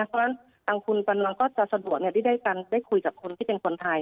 เพราะฉะนั้นทางคุณกำลังก็จะสะดวกได้คุยกับคนที่เป็นคนไทย